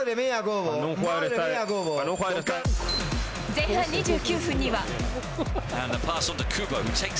前半２９分には。